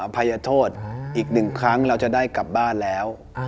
ภัยโทษอีก๑ครั้งเราจะได้กลับบ้านแล้ว